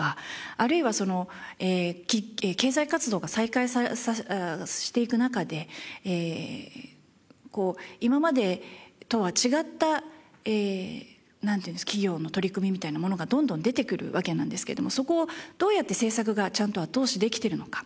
あるいは経済活動が再開していく中でこう今までとは違った企業の取り組みみたいなものがどんどん出てくるわけなんですけどもそこをどうやって政策がちゃんと後押しできてるのか。